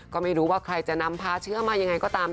ก็ไม่รู้ว่าใครจะนำพาเชื้อมายังไงก็ตาม